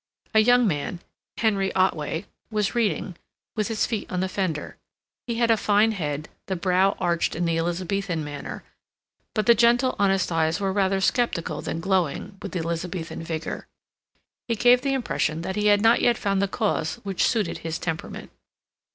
A young man, Henry Otway, was reading, with his feet on the fender. He had a fine head, the brow arched in the Elizabethan manner, but the gentle, honest eyes were rather skeptical than glowing with the Elizabethan vigor. He gave the impression that he had not yet found the cause which suited his temperament.